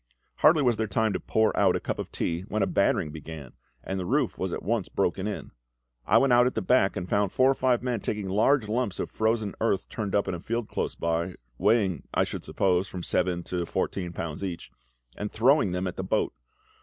Hardly was there time to pour out a cup of tea when a battering began, and the roof was at once broken in. I went out at the back, and found four or five men taking the large lumps of frozen earth turned up in a field close by weighing, I should suppose, from seven to fourteen pounds each and throwing them at the boat.